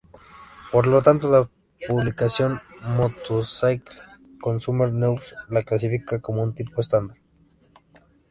Por lo tanto, la publicación "Motorcycle Consumer News" la clasifica como un tipo estándar.